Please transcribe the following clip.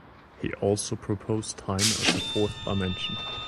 He also proposed time as a fourth dimension.